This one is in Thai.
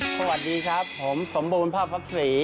สวัสดีครับผมสมบูรณภาพวักศรี